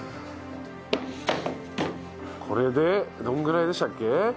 これでどれぐらいでしたっけ？